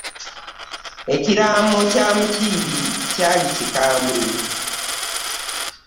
Ekiraamo kya Mukiibi kyali kikambwe.